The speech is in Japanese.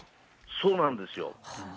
そうなんですよ。